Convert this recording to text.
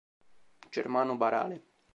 Germano Barale